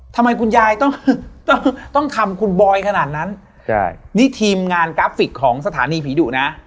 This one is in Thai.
ทำไมคุณยายต้องต้องทำคุณบอยขนาดนั้นใช่นี่ทีมงานกราฟิกของสถานีผีดุนะ